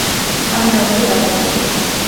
আমি নড়তে পারছি না।